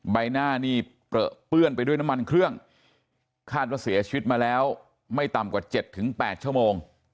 ใบหน้านี่เปลือเปื้อนไปด้วยน้ำมันเครื่องคาดว่าเสียชีวิตมาแล้วไม่ต่ำกว่า๗๘ชั่วโมง